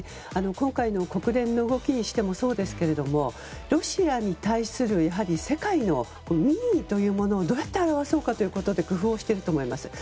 今回の国連の動きにしてもそうですけどロシアに対する世界の民意というものをどうやって表そうかということで工夫していると思います。